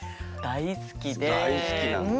大好きなんだ。